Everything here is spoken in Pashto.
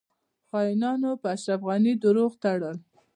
خاینانو په اشرف غنی درواغ تړل